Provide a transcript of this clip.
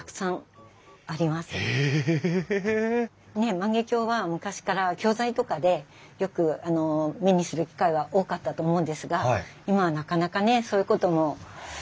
万華鏡は昔から教材とかでよく目にする機会は多かったと思うんですが今はなかなかねそういうこともないので。